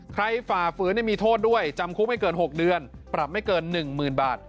ฝ่าฝืนมีโทษด้วยจำคุกไม่เกิน๖เดือนปรับไม่เกิน๑๐๐๐บาท